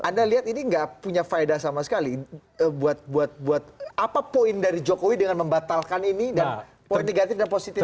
anda lihat ini nggak punya faedah sama sekali buat apa poin dari jokowi dengan membatalkan ini dan negatif dan positif